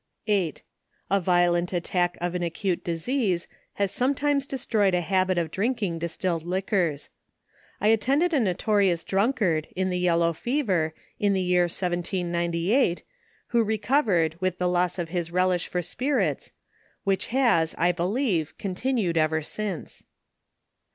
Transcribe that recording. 8. A violent attack of an acute disease, has sometimes destroyed a habit of drinking distilled liquors. I attended a notorious drunkard, in the yellow fever, in the a ear 1798, who recovered with the loss of his relish for spirits, which has, I believe, continued ever since.